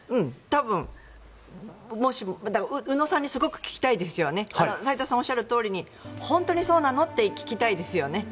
宇野さんにすごく聞きたいですよね斎藤さんがおっしゃるとおりに本当にそうなの？って聞きたいですよね。